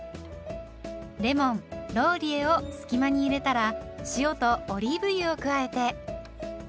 レモンローリエを隙間に入れたら塩とオリーブ油を加えて。